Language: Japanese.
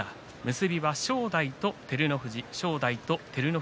結びは正代と照ノ富士です。